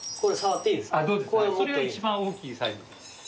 それが一番大きいサイズ。